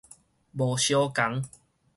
無相仝